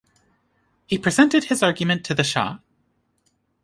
He presented his argument to the shah.